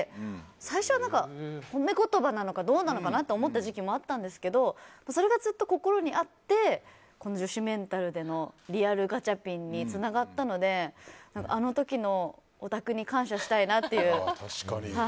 最初のほうは褒め言葉なのかどうかと思った時期もあったんですけどそれがずっと心にあってリアルガチャピンにつながったのであの時のオタクに感謝したいなっていう。